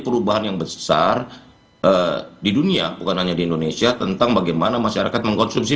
perubahan yang besar di dunia bukan hanya di indonesia tentang bagaimana masyarakat mengkonsumsi